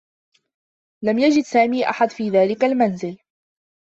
لم يجد سامي أحد في ذلك المنزل.